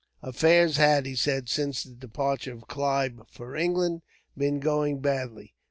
Affairs had, he said, since the departure of Clive for England, been going badly.